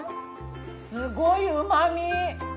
すごいうまみ！